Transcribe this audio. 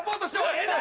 ええな！